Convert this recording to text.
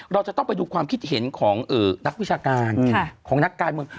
เราจะต้องไปดูความคิดเห็นของนักวิชาการของนักการเมือง